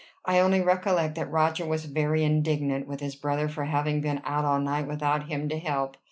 I only recollect that Roger was very indignant with his brother for having been out all night without him to help.